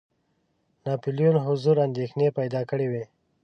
ناپولیون حضور اندېښنې پیدا کړي وې.